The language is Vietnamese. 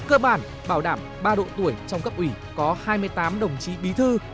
cơ bản bảo đảm ba độ tuổi trong cấp ủy có hai mươi tám đồng chí bí thư